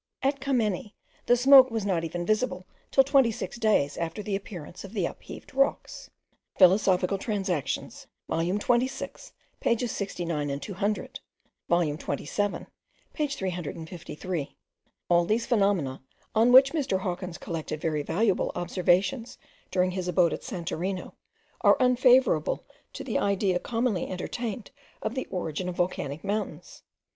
At Kameni, the smoke was not even visible till twenty six days after the appearance of the upheaved rocks. Philosophical Transactions volume 26 pages 69 and 200, volume 27 page 353. All these phenomena, on which Mr. Hawkins collected very valuable observations during his abode at Santorino, are unfavourable to the idea commonly entertained of the origin of volcanic mountains.